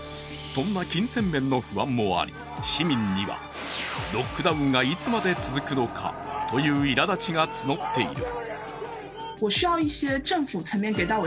そんな金銭面の不安もあり、市民にはロックダウンがいつまで続くのかという、いらだちが募っている。